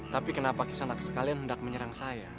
tapi kenapa sekalian hendak menyerang saya